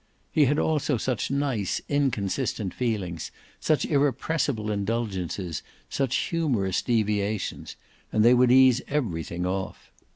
He had also such nice inconsistent feelings, such irrepressible indulgences, such humorous deviations, and they would ease everything off.